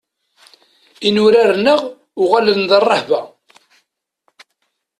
Inurar-nneɣ uɣalen d rrehba.